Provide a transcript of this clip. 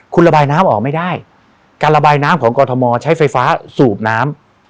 คุณระบายน้ำออกไม่ได้การระบายน้ำของกรทมใช้ไฟฟ้าสูบน้ำ